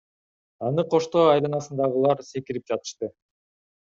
Аны коштой айланасындагылар секирип жатышты.